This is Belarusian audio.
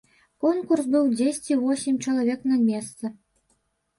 Конкурс быў дзесьці восем чалавек на месца.